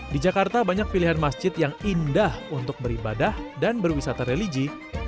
di jakarta banyak pilihan masjid yang indah untuk beribadah dan berwisata religi